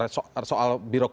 soal birokrasi yang banyak